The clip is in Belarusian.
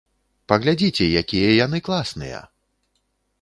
Паглядзіце, якія яны класныя!